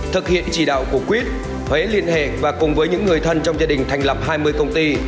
thực hiện chỉ đạo của quyết thuế liên hệ và cùng với những người thân trong gia đình thành lập hai mươi công ty